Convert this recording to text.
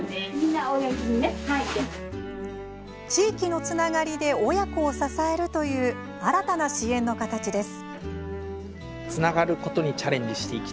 地域のつながりで親子を支えるという、新たな支援の形です。